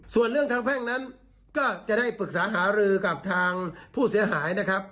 ส่วนเรื่องทางแพ่งนั้นก็จะได้ปรึกษาหารือกับทางผู้เสียหายนะครับ